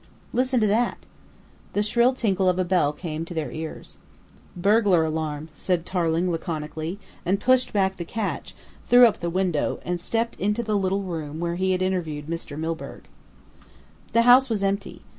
"Listen to that?" The shrill tinkle of a bell came to their ears. "Burglar alarm," said Tarling laconically, and pushed back the catch, threw up the window, and stepped into the little room where he had interviewed Mr. Milburgh. The house was empty.